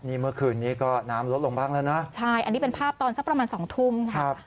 นี่เมื่อคืนนี้ก็น้ำลดลงบ้างแล้วนะใช่อันนี้เป็นภาพตอนสักประมาณสองทุ่มค่ะครับ